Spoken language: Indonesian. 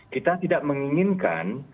kita tidak menginginkan